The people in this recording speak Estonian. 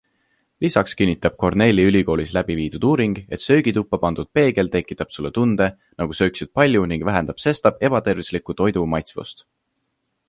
Lisaks kinnitab Cornelli ülikoolis läbi viidud uuring, et söögituppa pandud peegel tekitab sulle tunde, nagu sööksid palju ning vähendab sestap ebatervisliku toidu maitsvust.